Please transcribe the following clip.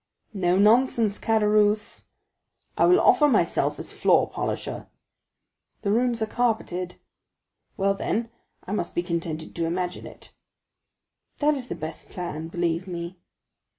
"No nonsense, Caderousse!" "I will offer myself as floor polisher." "The rooms are all carpeted." "Well, then, I must be contented to imagine it." "That is the best plan, believe me."